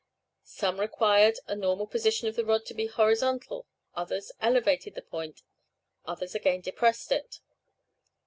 Some required the normal position of the rod to be horizontal, others elevated the point, others again depressed it.